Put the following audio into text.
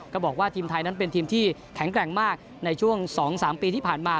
ก็บอกว่าทีมไทยนั้นเป็นทีมที่แข็งแกร่งมากในช่วง๒๓ปีที่ผ่านมา